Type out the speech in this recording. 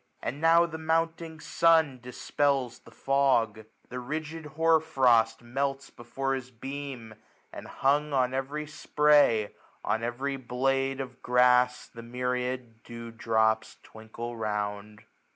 1165 And now the mounting sun dispels the fog j AUTUMN. t6s The rigid hoar frost melts before his beam ; And hung on every spray, on every blade Of grass, the myriad dew drops twinkle round.